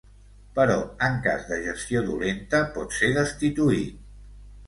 Però en cas de gestió dolenta pot ser destituït.